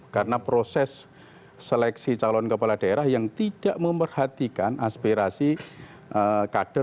karena proses seleksi calon kepala daerah yang tidak memerhatikan aspirasi kader